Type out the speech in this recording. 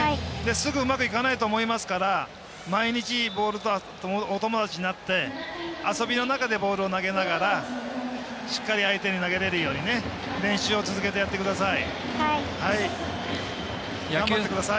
すぐ、うまくいかないと思いますから毎日、ボールとお友達になって遊びの中でボールを投げながらしっかり相手に投げられるように練習を続けてやってください。